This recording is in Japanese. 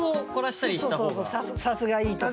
さすがいいところ。